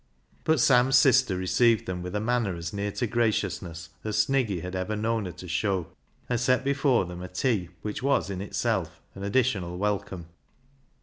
But Sam's sister received them with a manner 120 BECKSIDE LIGHTS as near to graciousness as Sniggy had ever known her to show, and set before them a tea which was in itself an additional welcome.